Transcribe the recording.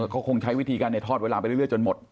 เขาคงใช้วิธีการในทอดเวลาไปเรื่อยจนหมด